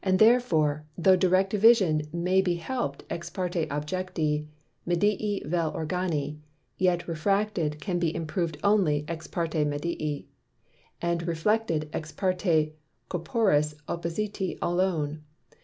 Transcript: And therefore, though Direct Vision may be help'd ex parte Objecti, Medii vel Organi, yet Refracted can be improv'd only ex parte Medii, and Reflected ex parte Corporis oppositi alone.